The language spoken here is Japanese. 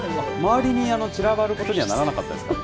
周りに散らばることにはならなかったですか。